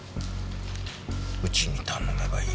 うちに頼めばいいのに。